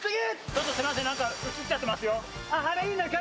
すみません、何か映っちゃってますよ。